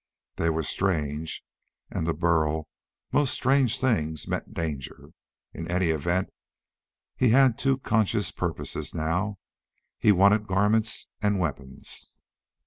They were strange, and to Burl most strange things meant danger. In any event, he had two conscious purposes now. He wanted garments and weapons.